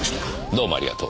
どうもありがとう。